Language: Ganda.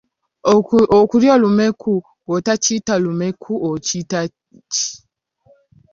Okulya olumenku bw'otokuyita lumenku okiyita ki?